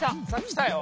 きたよ。